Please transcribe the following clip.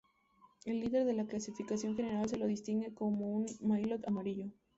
El líder de la clasificación general se lo distingue con un maillot amarillo.